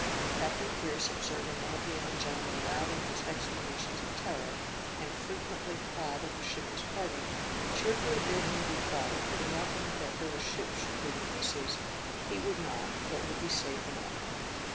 Captain Pierce observing one of the young gentlemen loud in his exclamations of terror, and frequently cry that the ship was parting, cheerfully bid him be quiet, remarking, that though the ship should go to pieces, he would not, but would be safe enough.